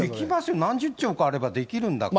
何十兆かあればできるんですから。